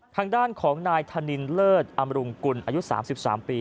ทางด้านของนายธนินเลิศอำรุงกุลอายุ๓๓ปี